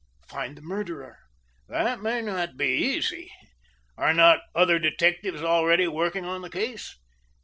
"Find the murderer." "That may not be easy. Are not other detectives already working on the case?"